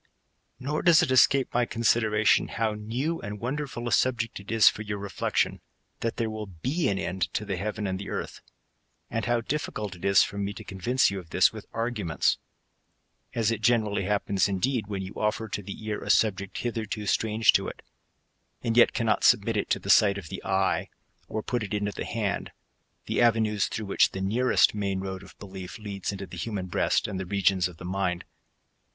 ^ Nor does it escape my consideration, how new and wonder ful a subject it is for your reflection, that there will be an end to the heaven and the earth ; and how diflicult it is for me to convince j^mt of this with arguments ; as it generally happens, indeed, when you offer to the ear a subject hitherto strange to it, and yet cannot submit it to the sight of the eye, or put it into the hand ; the avenues through which the nearest main road* of belief leads into the human breast and the regions of the mind.